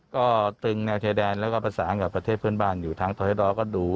ก็ตึงแนวเทดานแล้วก็ภาษาอังกฏประเทศเพื่อนบ้านอยู่ทางทศแล้วก็ดู